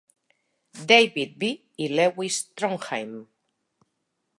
David B. i Lewis Trondheim.